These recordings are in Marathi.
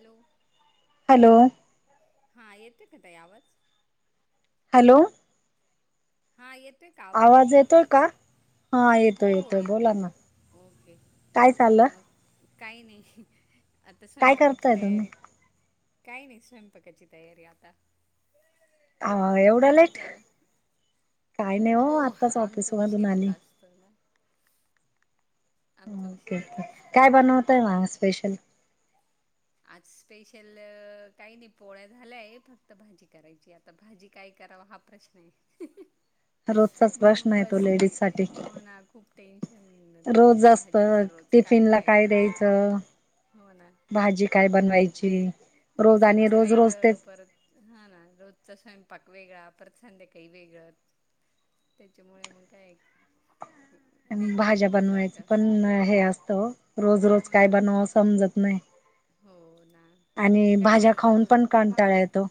हॅलो. हॅलो! हा येते का ताई आवाज? हॅलो. हा येतोय का आवाज? येतोय का? हा हो येतोय हो येतोय येतो बोला ना येतो, ओके काय चाललं काही नाही, आता काय स्वयंपाकाची करताय तुम्ही तयारी. काही नाही स्वयंपाकाची तयारी आता. अ तुमचं एवढं काय लेट चालंय काय नाही हो आत्ताच आमच ऑफिस मधून उशीरच आली आस तो ना? आमचं ओके, उशिराच म असतं काय त्याच्यामुळे बनवतातआहे मग स्पेशल? आज स्पेशल, काही नाही पोळ्या झाल्याय फक्त भाजी करायची आता. आता भाजी काय कराव? हा प्रश्न आहे हं हं. रोजचाच प्रश्न म्हणून आहे तो बसले, लेडीज साठी हो ना खूप टेन्शन. तर रोज ते असत भाजीचा रोज काय टिफिन ला काय करावं द्यायचं हो ना, भाजी काय बनवायची रोज आणि टिफिंच रोज रोज वेगळं तेच परत. हा ना, रोजचा स्वयंपाक वेगळा परत संध्याकाळी वेगळा. त्याच्यामुळे मग काय? भाज्या टेन्शनच होऊन जात बनवायचं पण हे असतं, हो रोज रोज काय ना बनवू समजत नाही. हो हो ना. आणि, काय भाज्या खाऊन करतात पण कंटाळा येतो.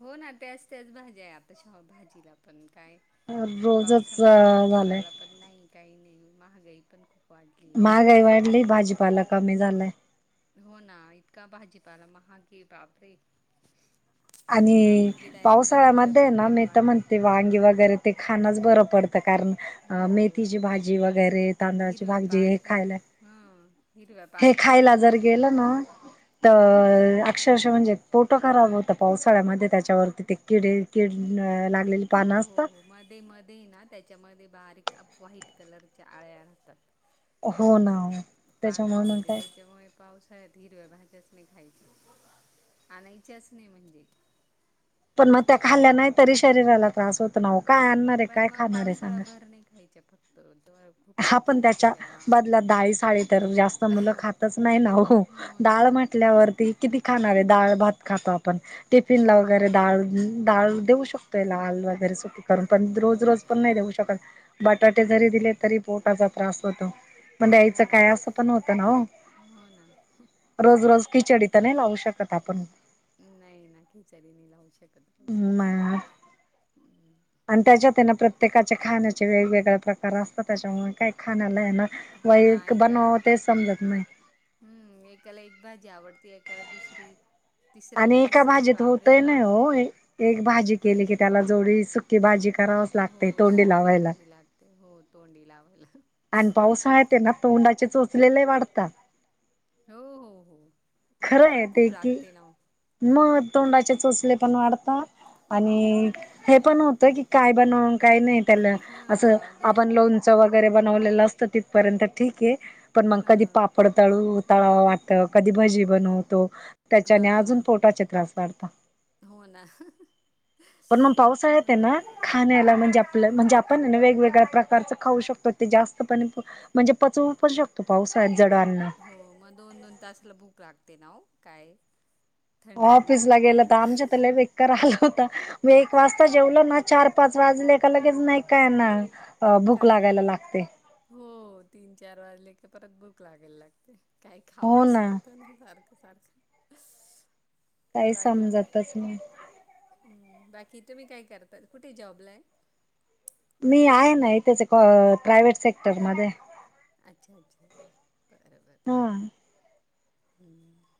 हो ना त्याच त्याच भाज्या आहेत, आता चव भाजीला पण काय. रोजच पावसामुळे झालंय भाजीपाला पण नाही, काही नाही महागाई पण खूप वाढली आहे महागाई वाढली, भाजीपाला कमी झालाय. हो ना, इतका भाजीपाला महाग हे बाबरे! आणि, पावसाळ्यामध्ये डबल ना रेट मी तर वाढले म्हणते वांगी वगैरे, ते खाणच बरं पडतं कारण अ हो मेथीची भाजी वगैरे, तांदळाची हिरव्या भाजी हे पालेभाज्या खायला. हां हिरव्या हे खायला पालेभाज्याच नाही जर आहे मग गेलं ना हां तर अक्षरशः म्हणजे. पोटं खराब होता पावसाळ्यामध्ये, त्याच्यावरती ते किडे किड ला हो हो हो, मध्ये मध्ये ना त्याच्यामध्ये बारीक व्हाईट कलरच्या आळ्या राहतात. अ हो ना. त्याच्यामुळे मग पानांमध्ये काय त्याच्यामुळे पावसाळ्यात हिरव्या भाज्याच नाही खायच्या, आणायच्याच नाही म्हणजे. पण मग, त्या खाल्ल्या नाही तरी शरीराला त्रास होत पान ना हो का पण मग, पावसाळा भर नाही खायचा फक्त जर खूप हा पाऊस पण असतो त्याच्या तेव्हा बदला डाळी साळी, तर जास्त मुलं खातच नाही नाहो हो हो ना डाळ हो खातच म्हटल्यावरती किती. खाणार आहे डाळ भात खातात. आपण नाही टिफिनला हो ना वगैरे डाळ, डाळ देऊ शकतोय लाल वगैरे साठी. पण रोज हां रोज पण नाही देऊ शकत, बटाटे जरी दिले तरी पोटाचा त्रास होतो, पण हो द्यायचं ना काय असं पण होतं ना हो? हो ना रोज रोज खिचडी तर नाही लावू शकत आपण. नाही ना, खिचडी नाही लावू शकत रोज. म हा आणि त्याच्यात ना, प्रत्येकाचे खाण्याचे वेगवेगळे प्रकार असतात त्याच्यामुळे काय. खाना लंय आहे ना, व हो ना एक एका बनव तेच समजत नाही. हम्म एकाला एक भाजी आवडती, एकाला दुसरी. आणि तिसऱ्याला एका तिसरी भाजीत बाबरे! होतय नाही हो एक भाजी एक केली की भाजीत त्याला नाही होत. जोडी सुकी भाजी करावच हो, लागते तोंडी सुकी लावायला भाजी लागते हो तोंडी लावायला! आणि पाऊसाळ्यात त्यानां, तोंडाचे चोचले लेय वाढतात. हो हो हो, भूक खरं आहे पण ते खूप की लागते ना हो. मग तोंडाचे चोचले पण वाढतात, आणि हे पण होत की काय बनव, काय नाही त्याला असं हां दोन आपण लोण चं वगैरे बनवलेले असत तितपर्यंत ठीक हे, पण मंग कधी हां पापड तळू तळावा वाटत कधी भजी बनवतो, त्याच्याने अजून हां पोटाचे त्रास वाढतात. हो ना. पण मग पावसाळ्यात तेना खाण्याला म्हणजे, हम्म आपलं म्हणजे पण ने वेगवेगळ्या प्रकारचं खाऊ शकतो ते जास्त पण म्हणजे पचवू पण शकतो पावसाळ्यात जड आन्न. हो, मग दोन दोन तासाला भुक लागते ना काही. ऑफिस ला गेलं तर आमच्या तर लई बेकार हाल होता मी एक वाजता जेवलं ना चार पाच वाजले का, लगेच नाही काय ना भुक काय लागायला लागते. हो तीन चार वाजले क परत भूक लागायला लागते. काही खावं असं होतं ना सारखं. ते सारखं काही बाकी काय? समजतच नाही हम्म. बाकी तुम्ही काय करताय कुठे जॉबलाय. मी आहे ना इथेच, प्रायव्हेट सेक्टर मध्ये. अच्छा अच्छा बर बरं. हा. ह..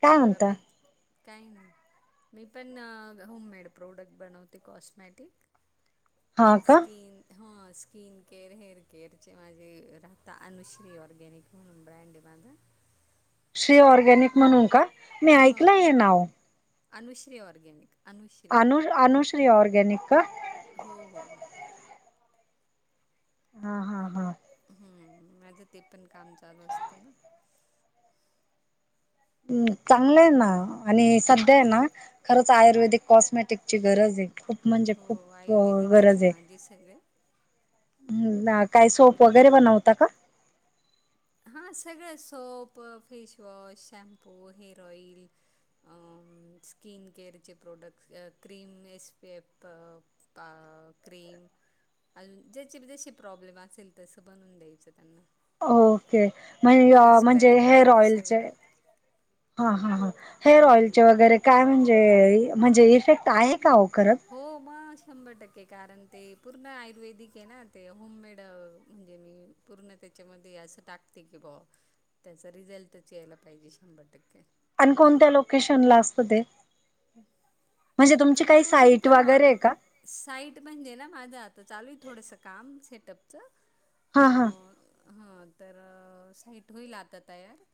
काय म्हणता दबेत. काही नाही. मी पण होममेड प्रोडक्ट बनवते कॉस्मॅटिक. हा का स्कीन. हां, स्किन केअर हेअर केअरचे माझे राहता. अनुश्री ऑरगॅनिक म्हणून ब्रँड आहे माझा. श्री ऑरगॅनिक म्हणून का, मी हां ऐकलं हे नाव. अनुश्री ऑरगॅनिक. अनु अनुश्री ऑरगॅनिक कां. हो हो. हा हा हा. हम्म माझं ते पण काम चालू असतं ना. चांगलं आहे ना, आणि सध्या आहे ना हां खरंच आयुर्वेदिक कॉस्मेटिकची गरज ये. खूप म्हणजे, हो खूप आयुर्वेदिकच गरज आहे ये. माझे सगळे ह्. काही सोप वगैरे बनवता कां. हा सगळं soap face wash shampoo hair oil. Skin केअरचे products, cream S P F. अ.. क्रीम. अजून ज्याचे जशी प्रॉब्लेम असेल, तसं बनवून द्यायचं त्यांना. ओके. म्हण फेस म्हणजे पॅक हेअर वगैरे ऑइलचे सगळं. हा हां हा. हेअर हम्म. ऑइलचे वगैरे काय म्हणजे, म्हणजे इफेक्ट आहे का हो खरंच. हो मग शंभर टक्के कारण ते, पूर्ण आयुर्वेदिक आहे ना ते होममेड म्हणजे मी. पूर्ण तेच्यामध्ये असं टाकते की बुवा, त्यांचा रिझल्टच यायला पाहिजे शंभर टक्के. आणि कोणत्या लोकेशनला असतं ते, म्हणजे तुमची तुम्ही काही कुठून साईट पण वगैरे ऑर्डर आहे का कर साईट म्हणजे ना, माझं आता चालू आहे थोडंसं काम सेटअपच. हा हा अं.. हं.. तर साईट होईल, आता तयार.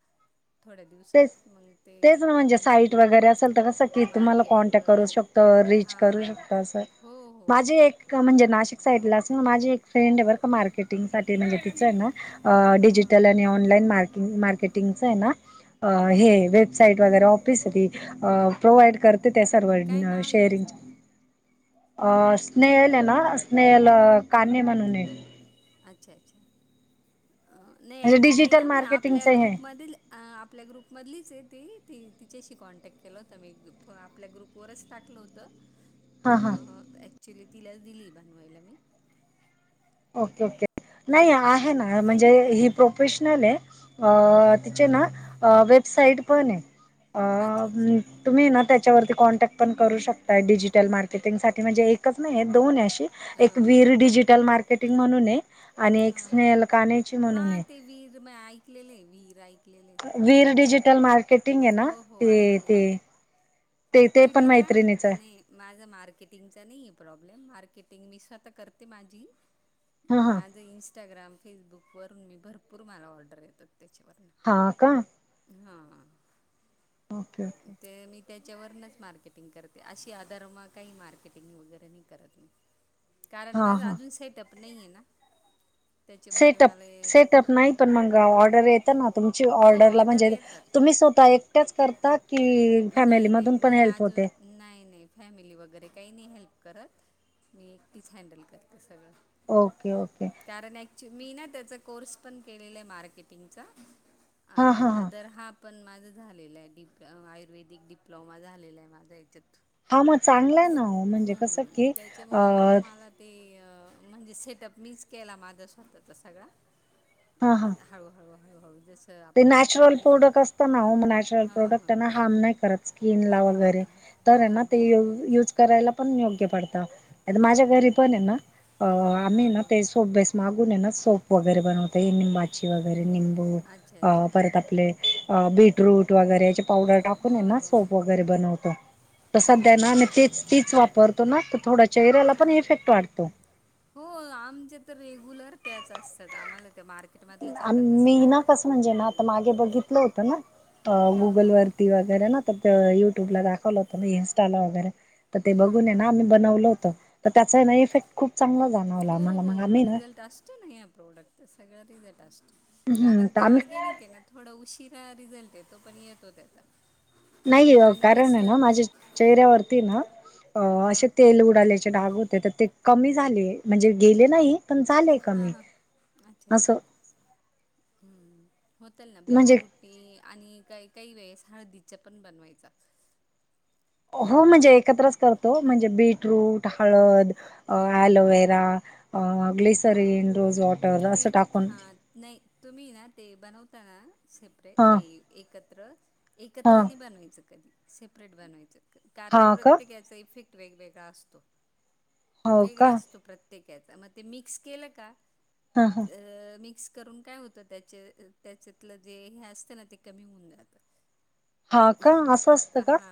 थोड्या ते तेच, दिवसात मग ते तेच ना म्हणजे साईट वगैरे असेल तर, कसं की तुम्हाला मार्केटिंग कॉन्टॅक्ट करू वगैरे शकत रीच करू हां हां शकतो असं, हो हो माझी हो एक म्हणजे नाशिक साईड ला असं माझी एक. फ्रेंड बर का मार्केटिंग साठी म्हणजे, तिचं ना. अ हां डिजिटल आणि ऑनलाईन मार्क मार्केटिंगच आहे ना. हे हां वेबसाईट वगैरे ऑफिस प्रोवाइड. करते त्या काय सर्वांना नाव आहे तिचं शेअरिंगच्या अ स्नेहल आहे ना, स्नेहल काणे म्हणून एक. अच्छा अच्छा, नाही म्हणजे ऍक्च्युली डिजिटल ना मी आपल्या मार्केटिंगच हे ग्रुपमधील. आपल्या ग्रुपमधलीच आहे ती, ती तिच्याशी कॉन्टॅक्ट केलं होतं. मी आपल्या ग्रुपवरच टाकलं होतं. हा हा अ.. ऍक्च्युली तिलाच दिली बनवायला मी. ओके ओके नाही आहे हम्म. ना म्हणजे ही प्रोफेशनल आहे. हां अ.. हां तिचे ना अ.. वेबसाईट पण आहे. अच्छा अच्छा अं.. तुम्ही ना त्याच्यावरती कॉन्टॅक्ट पण करू शकताय डिजिटल मार्केटिंगसाठी म्हणजे एकच नाही आहे दोन आहे अशे. एक हां वीर डिजिटल मार्केटिंग म्हणून आहे आणि एक हां स्नेल काण्याची म्हणून हां आहे. ते वीर म ऐकलेले वीर ऐकलेले. वीर डिजिटल मार्केटिंग आहे ना ते ते. ते ते पण एकक्चुली ना, मैत्रिणीच आहे न माझा मार्केटिंगचा नाही आहे प्रॉब्लेम, मार्केटिंग मी स्वतः करते माझी. हां हां माझं इंस्टाग्राम फेसबुकवरून मी भरपूर मला ऑर्डर येतात त्याच्यावरून. हा का. हा ओके ओके ते मी. त्याच्यावरूनच मार्केटिंग करते अशी आधार म काही मार्केटिंग वगैरे नाही करत मी. कारण हां माझ हां अजून सेटअप नाहीय ना. त्याच्यामुळे सेटअप मला हे- सेटअप नाही पण मग ऑर्डर येत ना तुमची हो ऑर्डरला ऑर्डर म्हणजे येतात तुम्ही स्वतः एकट्याच करता की फॅमिली नाही नाही मधून पण मी हेल्प अजून होते. नाही नाही फॅमिली वगैरे काही नाही हेल्प करत मी एकटीच हँडल करते सगळं. Okay okay. कारण क्चु मी ना त्याचा कोर्स पण केलेला आहे, मार्केटिंगचा! हा हा आणि आदर हा. पण माझं झालेलं आहे डिप् आयुर्वेदिक डिप्लोमा झालेलं आहे माझं याच्यात. हां मग चांग हम्म त्याच्यामुळे मग अ मला ते म्हणजे सेटअप मीच केला माझं स्वतः तर सगळां. हा हा. हळूहळू व जस्. ते नॅचरल प्रोडक्ट असतं ना हो म नॅचरल हां प्रोडक्ट हां त्यांना हार्म नाही करत स्किन ला वगैरे. तर आहे ना हो ते बिलकुल नाही यूज. करायला पण योग्य पडत हो माझ्या घरी हो पण आहे ना आम्ही हां ना हां ते सोे मागून ये ना सोप वगैरे बनवते ये निंबाची वगैरे निंबू. अच्छा अ अच्छा परत आपले बीटरूट वगैरे याचे पावडर हो टाकून यांना सोपव. बनवतो, सध्या हम्म. तीचं तीचं वापर तो. चेहऱ्याला पण हां इफेक्ट वाढतो. हो आमचे तर रेग्युलर त्याच असतात आम्हाला मार्. मी ना कसं म्हणजे ना आता मागे बघितलं होतं ना हां हां गुगलवरर. वगैरे ना युट्यूब ला दाखवलं होत इस्टाला वगैरे तर ते हां बघून हां ना. बनवलं होत तर त्याचा ना इफेक्ट. खूप चांगलं झा. हो हो रिझल्ट असते ना या प्रोडक्ट. तर सगळं रिझट असतो कारण तर ते आम्ही ऑर्गॅनिक आहे ना थोडा उशिरा रिझल्ट येतो पण येतो त्याचा. नाही आणि कारण आहे कसं ना माझ्या चेहऱ्यावरती ना अ अश हां तेल उडाले. डाग होते तर ते कमी झाले, म्हणजे गेले नाही. पण झालेय हां कमी हां अच्छा अच्छा असं. हम्म, होतल ना म्हणजे बीट्रूट हे आणि काही काही वेळेस हळदीच्या पण बनवायचा. हो म्हणजे एकत्रच करतो म्हणजे बीटरूट हळद. अ हां हां ॲलोवेरा, अ ग्लसरीन रोज अ वॉटर तुम्ही असं टाकून. हां नाही तुम्ही ना ते बनवताना हा सेपरेट एकत्र. हा एकत्रनी बनवायचं कधी सेपरेट बनवायचं हा कारण का प्रत्येक याचा इफेक्ट. वेगवेगळा असतो हो वेळा का असतो प्रत्येका ते मिक्स केलं का ह ह अ मिक्स करून काय होत त्या त्याच्यातलं जे हे असतं ना ते कमी होऊन जातं. हा का असं असतं का हा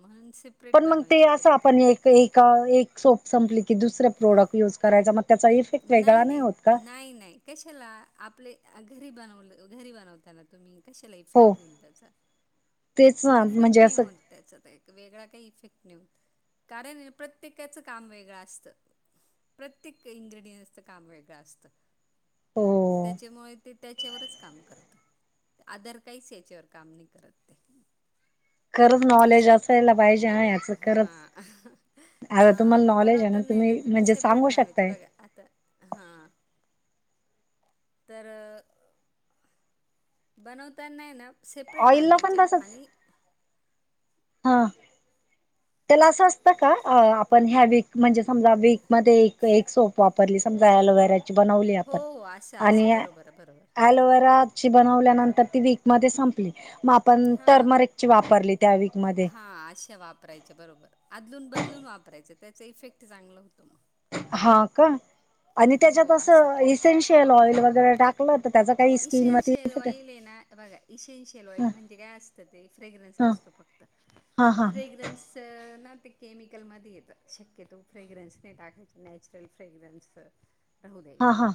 म्हणून सेपरेट बनवायचे कधी पण. एका एक सोप संपली की, दुसर प्रोडक्ट युज करायचा मग त्यांचा इफेक्ट. नाही वेगळा नाही होत का नाही नाही कशाला आपले घरी बनवलं घरी बनवताना तुम्ही. कशाला हो इफेक्ट होईल त्यांचा, तेच ना इफेक्ट म्हणजे नाही असं होत त्याचा. वेगळा काही इफेक्ट नाही होतं, कारण प्रत्येकाचं काम वेगळं असतं. प्रत्येक इंग्रेडियंसच काम वेगळं असतं. हो त्याच्यामुळे ते त्याच्यावरच काम करता. आदर काहीच तेच्यावर काम नाही करत ते. खरंच नॉलेज असे आहे असायला पाहिजे हा याचं हा. खरंच आता अ तुम्हाला मग नॉलेज आहे बनवता नाही ना, तुम्ही म्हणजे सेपरेट सांगू बनवायचे शकताय बघा. आता हा तर. बनवता नाही ना, सेपरेट ऑइलला पण बनवायच्या तसच आणि. हा. त्याला असं असतं का, आपण ह्या वीक म्हणजे समजा वीक मध्ये एक एक सोप वा. परली समजा अलोवेरा ची बनवली हो आपण. हो असं असं आणि बरोबर आहे बरोबर अलोवेरा, ची बनल्यानंतर ती वीक मध्ये संपली मग आपण टमरिकची वापरली त्या विक म हा अशा वापरायच्या बरोबर अदलून बदलून वापरायच, त्याच इफेक्ट चांगलं होतो मग. हा का, आणि त्याच्यात हो असं करायचं इसेन्शियल ऑइल वगैरे टाकलं तर त्याच. इसेन्शियल ऑइल आहे ना बघा, इसेनशियल ह ऑइल म्हणजे काय असतं ते फ्रेगरन्स ह असतो फक्तं. हा त हा फ्रेग्रेन्स. त ना ते केमिकलमध्ये येत शक्यतो फ्रेगरेन्स नाही टाकायचे नॅचरल फ्रेगरेन्स राहू हा द्यायचा. हा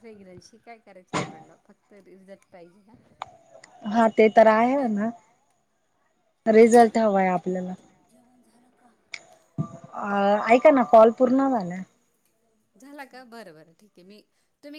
फ्रेगरन्सी काय करायचं आप- पहिला फक्त रिझल्ट पाहिजे हं. हा ते तर आहे ना, रिझल्ट हवाय आपल्याला. जेवण झालं का. अ ऐका ना, कॉल पूर्ण झालाय. झाला का, बरं बरं ठीक आहे मी. तुम्ही